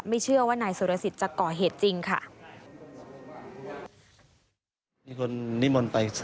เชื่อว่านายสุรสิทธิ์จะก่อเหตุจริงค่ะ